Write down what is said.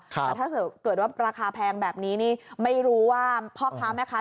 แต่ถ้าเกิดว่าราคาแพงแบบนี้นี่ไม่รู้ว่าพ่อค้าแม่ค้า